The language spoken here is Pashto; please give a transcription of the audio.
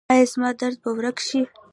ایا زما درد به ورک شي؟